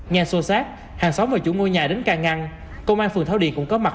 nghe sô sát hàng sáu và chủ ngôi nhà đến ca ngăn công an phường thảo điền cũng có mặt